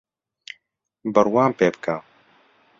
بڕوام پێبکە